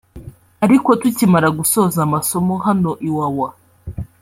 ariko tukimara gusoza amasomo hano Iwawa